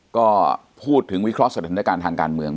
ก็พูดถึงวิเคราะห์สถานการณ์ทางการเมือง